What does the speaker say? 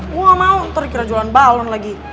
gue gak mau ntar kira jualan balon lagi